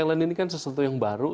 talent ini kan sesuatu yang baru